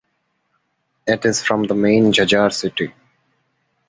It is from the main Jhajjar city.